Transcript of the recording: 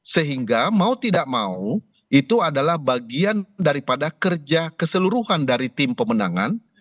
sehingga mau tidak mau itu adalah bagian daripada kerja keseluruhan dari tim pemenangan